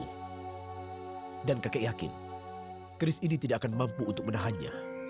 gak ada yang perlu kamu takutin